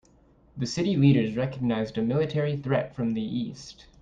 The city leaders recognized a military threat from the east.